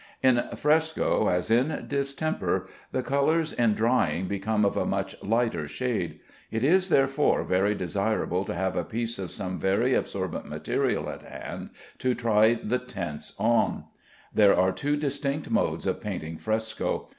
In fresco (as in distemper) the colors in drying become of a much lighter shade. It is, therefore, very desirable to have a piece of some very absorbent material at hand to try the tints on. There are two distinct modes of painting fresco.